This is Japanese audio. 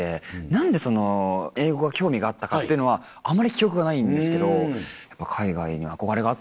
何でその英語が興味があったかっていうのはあんまり記憶がないんですけどやっぱ。